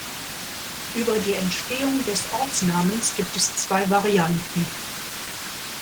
Über die Entstehung des Ortsnamens gibt es zwei Varianten.